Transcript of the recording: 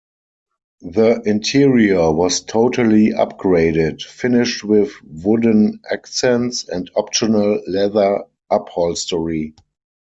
The interior was totally upgraded, finished with wooden accents and optional leather upholstery.